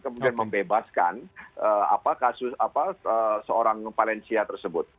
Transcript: kemudian membebaskan kasus seorang valencia tersebut